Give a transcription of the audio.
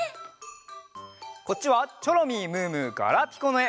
こっちはチョロミームームーガラピコのえ。